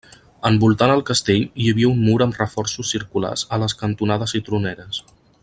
Envoltant el castell hi havia un mur amb reforços circulars a les cantonades i troneres.